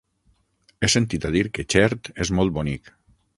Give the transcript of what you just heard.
He sentit a dir que Xert és molt bonic.